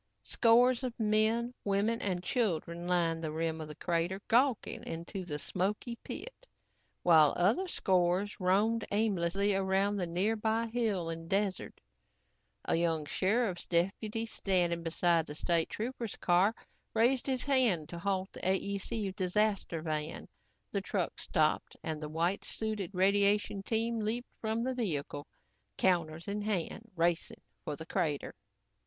Scores of men, women and children lined the rim of the crater, gawking into the smoky pit, while other scores roamed aimlessly around the nearby hill and desert. A young sheriff's deputy standing beside the State trooper's car raised his hand to halt the AEC disaster van. The truck stopped and the white suited radiation team leaped from the vehicle, counters in hand, racing for the crater.